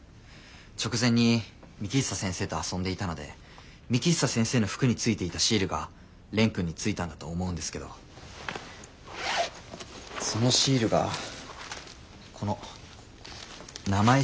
直前に幹久先生と遊んでいたので幹久先生の服についていたシールが蓮くんについたんだと思うんですけどそのシールがこの名前シールの破片だったんです。